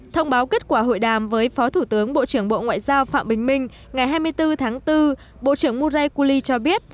thông báo kết quả hội đàm với phó thủ tướng bộ trưởng bộ ngoại giao phạm bình minh ngày hai mươi bốn tháng bốn bộ trưởng muraikuli cho biết